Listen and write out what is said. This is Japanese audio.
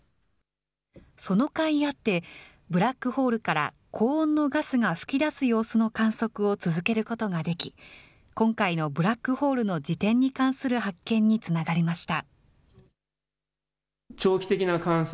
そのかいあって、ブラックホールから高温のガスが噴き出す様子の観測を続けることができ、今回のブラックホールの自転に関する発見につながりました。